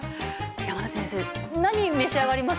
山根先生何召し上がります？